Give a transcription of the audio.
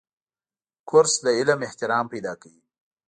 کورس د علم احترام پیدا کوي.